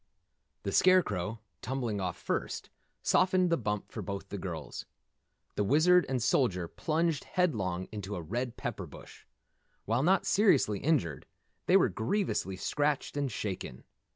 The Scarecrow, tumbling off first, softened the bump for both girls. The Wizard and Soldier plunged headlong into a red pepper bush. While not seriously injured, they were grievously scratched and shaken.